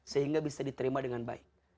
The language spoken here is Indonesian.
sehingga bisa diterima dengan baik